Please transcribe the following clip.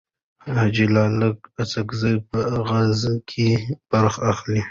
حاجي لالي اڅکزی په غزاکې برخه اخلي.